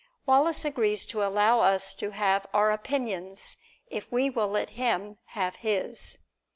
Wallace agrees to allow us to have our opinions if we will let him have his.